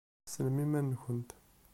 Tessnemt iman-nkent.